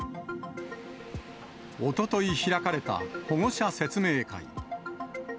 おととい開かれた保護者説明会。